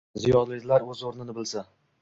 Ziyolilar o'z o'rnini bilsa.